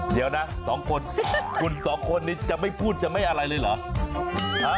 เดี๋ยวนะสองคนคุณสองคนนี้จะไม่พูดจะไม่อะไรเลยเหรอ